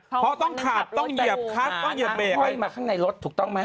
เพราะต้องขับต้องเหยียบเบรกอันเอาตาให้ถ่ายมาข้างในรถถูกต้องมั้ย